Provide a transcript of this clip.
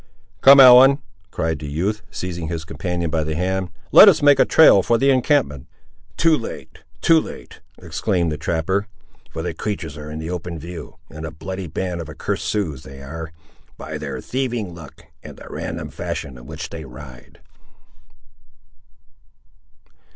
"Come, Ellen," cried the youth, seizing his companion by the hand, "let us make a trial for the encampment." "Too late! too late!" exclaimed the trapper, "for the creatur's are in open view; and a bloody band of accursed Siouxes they are, by their thieving look, and the random fashion in which they ride!"